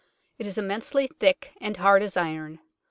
It is immensely thick, and hard as iron.